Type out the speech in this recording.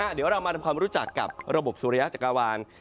เดี๋ยวเรามาทำความรู้จักกับระบบสุริยะจักรวาล